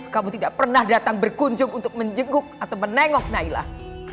kamu tidak pernah datang berkunjung untuk menjenguk atau menengok nailah